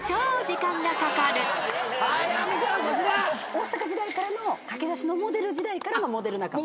大阪時代からの駆け出しのモデル時代からのモデル仲間。